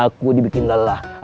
aku dibikin lelah